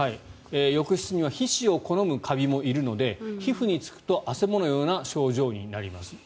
浴室には皮脂を好むカビもいるので皮膚につくとあせものような症状になります。